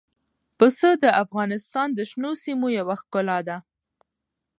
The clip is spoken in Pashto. پسه د افغانستان د شنو سیمو یوه ښکلا ده.